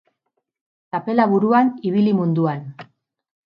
Txapela buruan, ibili munduan.